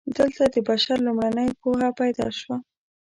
دلته د بشر لومړنۍ پوهه پیدا شوه.